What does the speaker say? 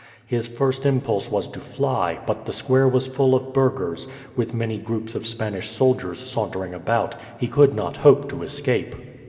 His first impulse was to fly, but the square was full of burghers, with many groups of Spanish soldiers sauntering about; he could not hope to escape.